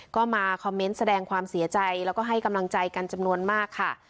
ก็มาคอมเมนต์แสดงความเสียใจแล้วก็ให้กำลังใจกันจำนวนมากค่ะ